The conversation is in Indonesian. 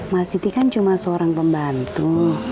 mas siti kan cuma seorang pembantu